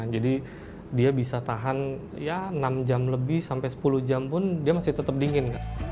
jadi dia bisa tahan enam jam lebih sampai sepuluh jam pun dia masih tetap dingin